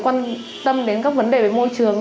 quan tâm đến các vấn đề về môi trường